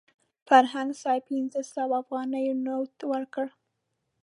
فرهنګ صاحب پنځه سوه افغانیو نوټ ورکړ.